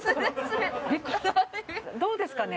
どうですかね？